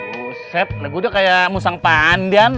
usep lagu udah kayak musang pandan